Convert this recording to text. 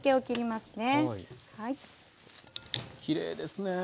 きれいですね。